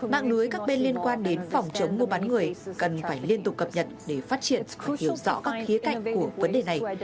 mạng lưới các bên liên quan đến phòng chống mua bán người cần phải liên tục cập nhật để phát triển hiểu rõ các khía cạnh của vấn đề này